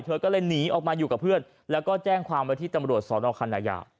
เธอก็เลยหนีออกมาอยู่กับเพื่อนแล้วก็แจ้งความไว้ที่ตำรวจสอนอคันนายา